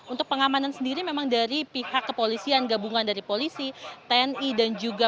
untuk pengamanan sendiri memang dari pihak kepolisian gabungan dari polisi tni dan juga